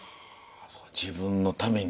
自分のために。